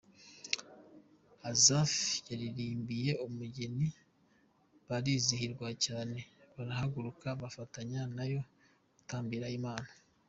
Asaph yaririmbiye abageni barizihirwa cyane barahaguruka bafatanya nayo gutambira Imana.